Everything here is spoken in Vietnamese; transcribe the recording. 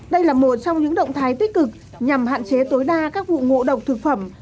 đây là một trong những động thái tích cực nhằm hạn chế tối đa các vụ ngộ độc thực phẩm